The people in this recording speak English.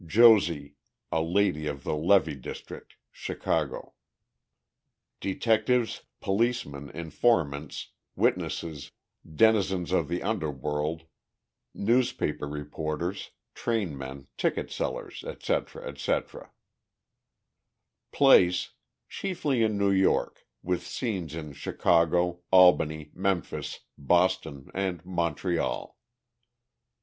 "JOSIE," a lady of the Levee district, Chicago. Detectives, policemen, informants, witnesses, denizens of the underworld, newspaper reporters, trainmen, ticket sellers, etc., etc. PLACE—Chiefly in New York, with Scenes in Chicago, Albany, Memphis, Boston and Montreal.